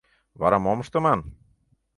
Вара мом ыштыман?